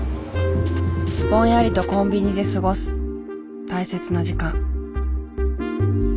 ぼんやりとコンビニで過ごす大切な時間。